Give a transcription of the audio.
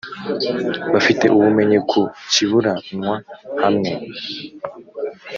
Bafite ubumenyi ku kiburanwa hamwe